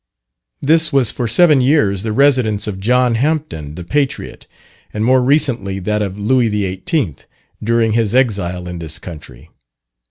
This was for seven years the residence of John Hampden the patriot, and more recently that of Louis XVIII., during his exile in this country.